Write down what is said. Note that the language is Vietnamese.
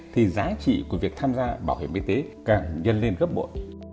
thì giá trị của việc tham gia bảo hiểm y tế càng dân lên gấp bộ